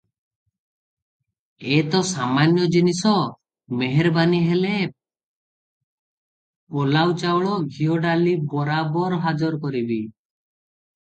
ଏ ତ ସାମାନ୍ୟ ଜିନିଷ, ମେହେରବାନି ହେଲେ ପଲାଉ ଚାଉଳ, ଘିଅ, ଡାଲି ବରାବର ହାଜର କରିବି ।